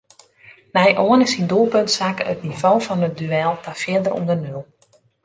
Nei Anne syn doelpunt sakke it nivo fan it duel ta fier ûnder nul.